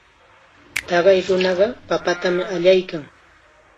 Taqay nunaqa papatam allaykan.